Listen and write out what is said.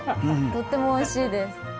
とってもおいしいです。